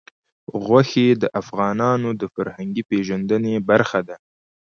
غوښې د افغانانو د فرهنګي پیژندنې برخه ده.